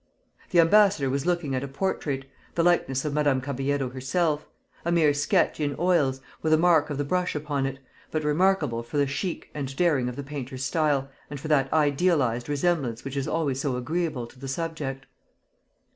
The ambassador was looking at a portrait the likeness of Madame Caballero herself a mere sketch in oils, with a mark of the brush upon it, but remarkable for the chic and daring of the painter's style, and for that idealised resemblance which is always so agreeable to the subject.